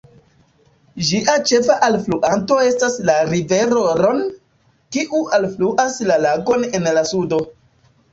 Ĝia ĉefa alfluanto estas la rivero "Ron", kiu alfluas la lagon en la sudo.